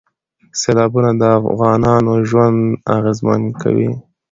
سیلابونه د افغانانو ژوند اغېزمن کوي.